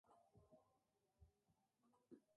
El O"ṃ" es el símbolo de lo esencial en el hinduismo.